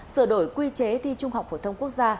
sửa đổi quy chế thi trung học phổ thông quốc gia